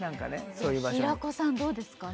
平子さんどうですか？